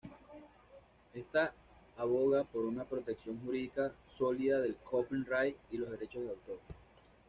Ésta aboga por una protección jurídica sólida del copyright y los derechos de autor.